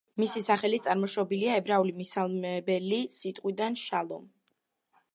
მისი სახელი წარმოშობილია ებრაული მისასალმებელი სიტყვიდან „შალომ“.